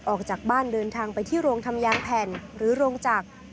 ออกจากบ้านเดินทางไปที่โรงทำยางแผ่นหรือโรงจักร